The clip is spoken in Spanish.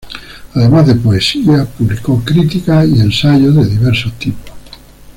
Además de poesías, publicó crítica y ensayos de diverso tipo.